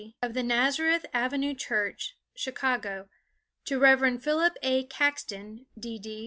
of the Nazareth Avenue Church, Chicago, to Rev. Philip A. Caxton, D.D.